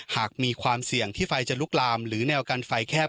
หากมีความเสี่ยงที่ไฟจะลุกลามหรือแนวกันไฟแคบ